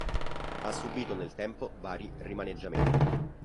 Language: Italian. Ha subito nel tempo vari rimaneggiamenti.